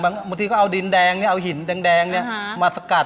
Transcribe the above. บางทีเขาเอาดินแดงเอาหินแดงมาสกัด